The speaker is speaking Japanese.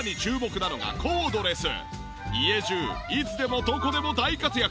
家中いつでもどこでも大活躍。